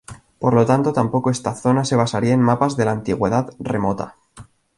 Por lo tanto tampoco esta zona se basaría en mapas de la Antigüedad remota.